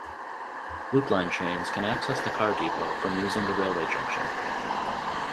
Loop Line trains can access the car depot from using the railway junction.